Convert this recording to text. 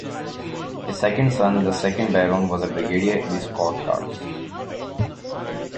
His second son, the second Baron, was a Brigadier in the Scots Guards.